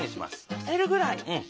のせるぐらい。